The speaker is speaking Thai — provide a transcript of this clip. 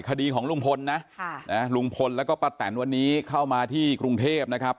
คดีของลุงพลนะลุงพลแล้วก็ป้าแตนวันนี้เข้ามาที่กรุงเทพนะครับ